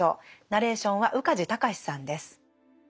ナレーションは宇梶剛士さんです。